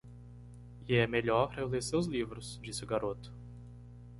"E é melhor eu ler seus livros?" disse o garoto.